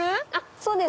そうです。